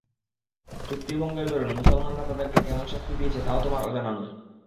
চুক্তিভঙ্গের দরুন মুসলমানরা তাদেরকে কেমন শাস্তি দিয়েছে তাও তোমার অজানা নয়।